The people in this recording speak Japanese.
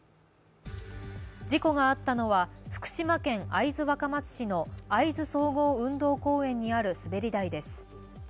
事故があったのは福島県会津若松市の会津総合運動公園にある滑り台です。